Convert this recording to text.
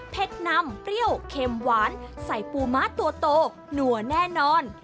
นำเปรี้ยวเค็มหวานใส่ปูม้าตัวโตหนัวแน่นอน